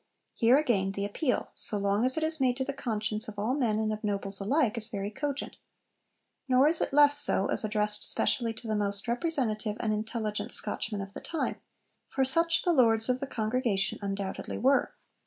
Here, again, the appeal, so long as it is made to the conscience of all men and of nobles alike, is very cogent. Nor is it less so as addressed specially to the most representative and intelligent Scotchmen of the time, for such the Lords of the Congregation undoubtedly were.